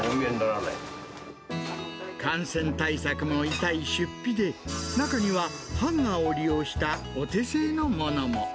感染対策も痛い出費で、中にはハンガーを利用したお手製のものも。